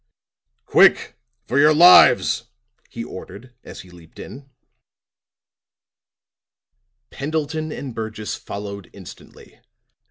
"Quick, for your lives!" he ordered, as he leaped in. Pendleton and Burgess followed instantly.